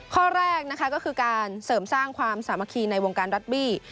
ข้อแรกนะคะก็คือการเสริมสร้างความสามัคคีในวงการล็อตบี้